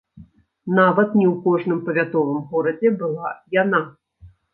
Нават не ў кожным павятовым горадзе была яна.